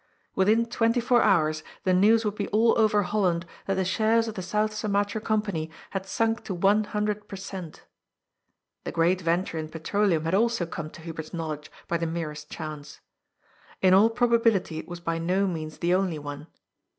Within twenty four hours the news would be all over Holland that the shares of the South Sumatra Company had sunk to one hundred per cent. The great venture in petroleum had also come to Hubert's knowledge by the merest chance. In all proba bility it was by no means the only one.